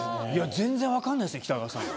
全然分かんないですね北川さん。